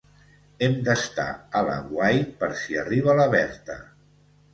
Hem d'estar a l'aguait per si arriba la Berta.